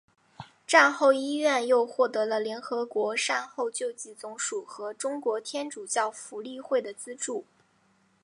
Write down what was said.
战后医院又获得了联合国善后救济总署和中国天主教福利会的资助。